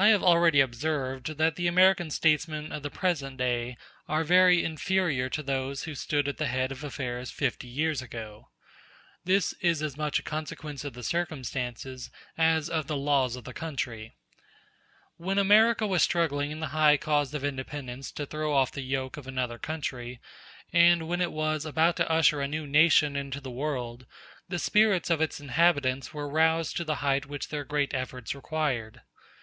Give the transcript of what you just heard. I have already observed that the American statesmen of the present day are very inferior to those who stood at the head of affairs fifty years ago. This is as much a consequence of the circumstances as of the laws of the country. When America was struggling in the high cause of independence to throw off the yoke of another country, and when it was about to usher a new nation into the world, the spirits of its inhabitants were roused to the height which their great efforts required.